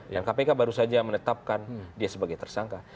yang kpk baru saja menetapkan dia sebagai tersangka